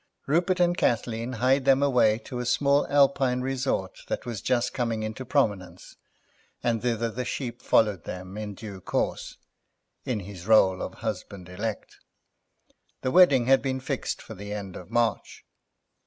Rupert and Kathleen hied them away to a small Alpine resort that was just coming into prominence, and thither the Sheep followed them in due course, in his role of husband elect. The wedding had been fixed for the end of March.